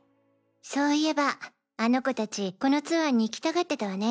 そういえばあの子達このツアーに行きたがってたわね。